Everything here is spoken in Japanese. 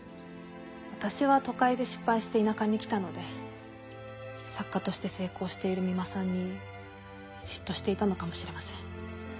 私は都会で失敗して田舎に来たので作家として成功している三馬さんに嫉妬していたのかもしれません。